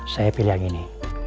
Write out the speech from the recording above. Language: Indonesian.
saya pilih yang ini